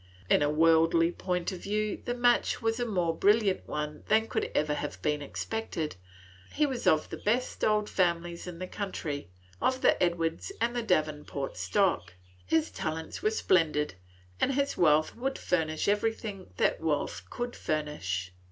In a worldly point of view, the match was a more brilliant one than could ever have been expected. He was of the best old families in the country, – of the Edwards and the Davenport stock, – his talents were splendid, and his wealth would furnish everything that wealth could furnish.